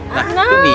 nah itu dia